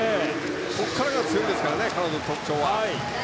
ここからが強いですから彼女の特徴は。